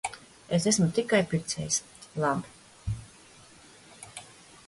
Es esmu tikai pircējs. Labi.